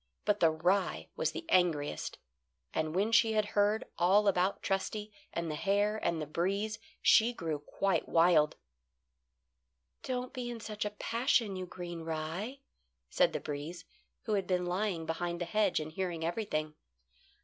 But the rye was the angriest, and when she had heard all about Trusty and the hare and the breeze she grew quite wild. "Don't be in such a passion, you green rye," said the breeze, who had been lying behind the hedge and hearing everything.